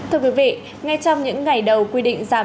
thưa quý vị ngay trong những ngày đầu quy định giảm năm mươi